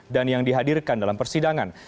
dan yang dihadirkan dalam persidangan